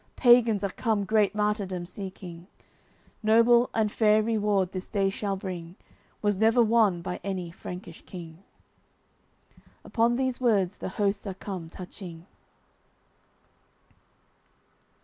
Pagans are come great martyrdom seeking; Noble and fair reward this day shall bring, Was never won by any Frankish King." Upon these words the hosts are come touching.